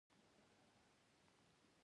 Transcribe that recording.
زه غږ پورته لولم.